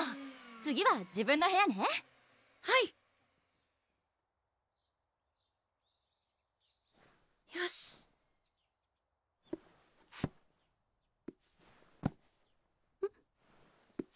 次は自分の部屋ねはいよしうん？